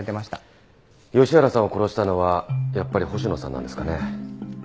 吉原さんを殺したのはやっぱり星野さんなんですかね？